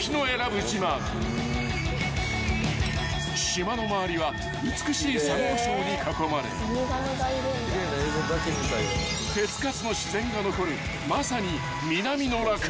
［島の周りは美しいサンゴ礁に囲まれ手付かずの自然が残るまさに南の］